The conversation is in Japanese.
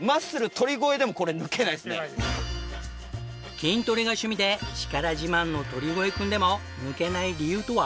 筋トレが趣味で力自慢の鳥越君でも抜けない理由とは。